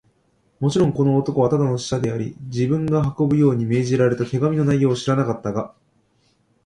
もちろん、この男はただの使者であり、自分が運ぶように命じられた手紙の内容を知らなかったが、